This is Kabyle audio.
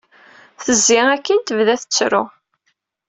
Tezzi akkin, tebda tettru.